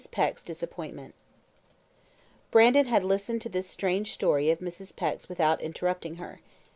Peck's Disappointment Brandon had listened to this strange story of Mrs. Peck's without interrupting her.